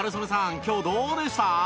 今日どうでした？